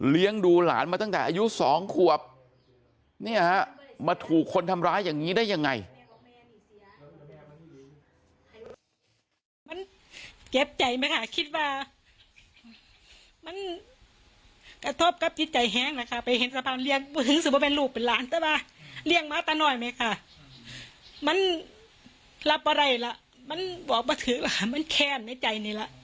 เลี้ยงดูหลานมาตั้งแต่อายุ๒ขวบมาถูกคนทำร้ายอย่างนี้ได้ยังไง